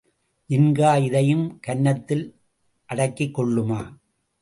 ஜின்கா இதையும் கன்னத்தில் அடக்கிக்கொள்ளுமா?